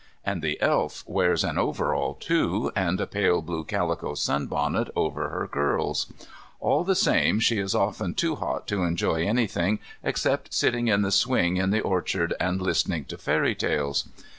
And the Elf wears an overall, too, and a pale blue calico sunbonnet over her curls. All the same she is often too hot to enjoy anything except sitting in the swing in the orchard and listening to fairy tales.